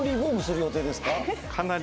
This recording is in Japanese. かなり。